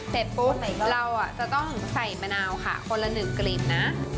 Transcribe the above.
แต่ปุ๊บเราจะต้องใส่มะนาวค่ะคนละหนึ่งกลิ่นนะ